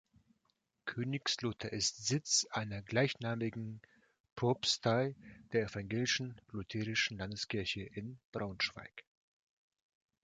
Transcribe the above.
Königslutter ist Sitz einer gleichnamigen Propstei der Evangelisch-lutherischen Landeskirche in Braunschweig.